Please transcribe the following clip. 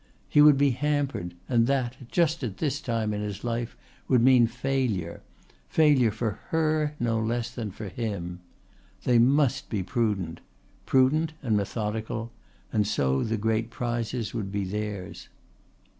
He would be hampered, and that, just at this time in his life, would mean failure failure for her no less than for him. They must be prudent prudent and methodical, and so the great prizes would be theirs.